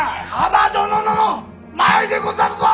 蒲殿の前でござるぞ！